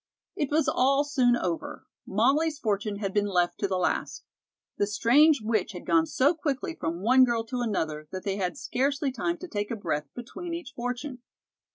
It was all soon over. Molly's fortune had been left to the last. The strange witch had gone so quickly from one girl to another that they had scarcely time to take a breath between each fortune.